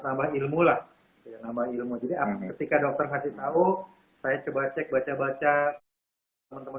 nambah ilmu lah ya nambah ilmu jadi ketika dokter ngasih tahu saya coba cek baca baca teman teman